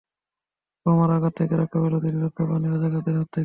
বোমার আঘাত থেকে রক্ষা পেলেও তিনি রক্ষা পাননি রাজাকারদের হাত থেকে।